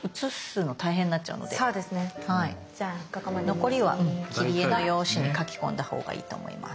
残りは切り絵の用紙に描き込んだほうがいいと思います。